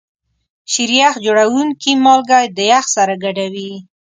شیریخ جوړونکي مالګه د یخ سره ګډوي.